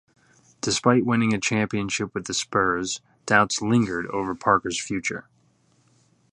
Despite winning a championship with the Spurs, doubts lingered over Parker's future.